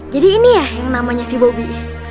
jadi ini ya yang namanya si bobby